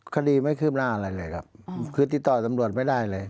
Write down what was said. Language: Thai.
คดีไม่คืบหน้าอะไรเลยครับคือติดต่อตำรวจไม่ได้เลย